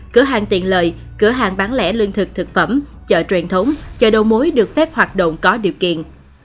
cửa hàng tiện lợi cửa hàng bán lẻ lương thực thực phẩm chợ truyền thống chợ đầu mối được phép hoạt động có điều kiện